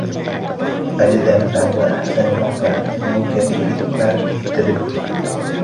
أَجْدَى نَفْعًا وَأَحْسَنُ مَوْقِعًا مِنْ كَثِيرِهِ مَعَ سُوءِ التَّدْبِيرِ